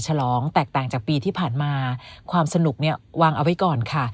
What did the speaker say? ฉลองแตกต่างจากปีที่ผ่านมาความสนุกเนี่ยวางเอาไว้ก่อนค่ะ